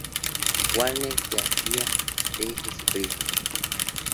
Warner que hacía de Jesucristo.